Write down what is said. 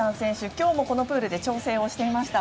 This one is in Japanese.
今日もこのプールで調整をしていました。